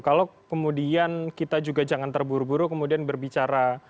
kalau kemudian kita juga jangan terburu buru kemudian berbicara